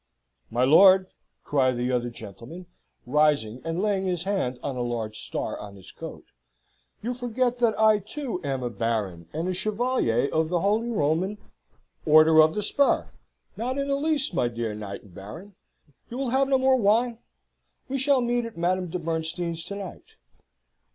"My lord," cried the other gentleman, rising and laying his hand on a large star on his coat, "you forget that I, too, am a Baron and a Chevalier of the Holy Roman "" Order of the Spur! not in the least, my dear knight and baron! You will have no more wine? We shall meet at Madame de Bernstein's to night."